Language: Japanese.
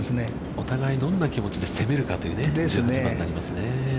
お互い、どんな気持ちで攻めるかというね、１８番になりますね。